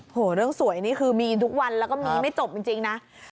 เรื่องสวยนี่คือมีทุกวันแล้วก็มีไม่จบจริงนะ